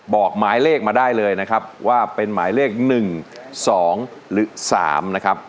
บอกหมายเลขมาได้เลยนะครับว่าเป็นหมายเลข๑๒หรือ๓นะครับ